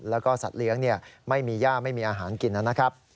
แล้วก็สัตว์เลี้ยงไม่มีย่าไม่มีอาหารกินนะครับ